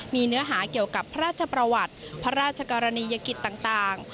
มีเนื้อหาเกี่ยวกับพระราชประวัติพระราชกรณียกิจต่าง